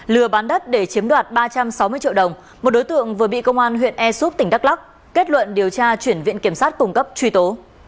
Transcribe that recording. lừa bán đất để chiếm đoạt ba trăm sáu mươi triệu đồng một đối tượng vừa bị công an huyện ea súp tỉnh đắk lắc kết luận điều tra chuyển viện kiểm sát cung cấp truy tố